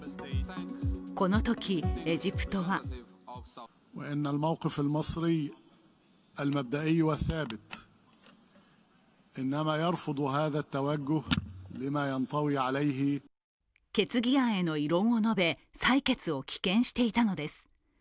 このときエジプトは決議案への異論を述べ、採決を棄権していたのです。